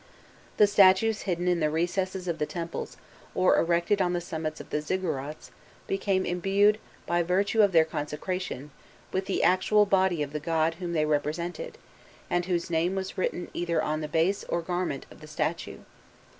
The statues hidden in the recesses of the temples or erected on the summits of the "ziggurats" became imbued, by virtue of their consecration, with the actual body of the god whom they represented, and whose name was written either on the base or garment of the statue.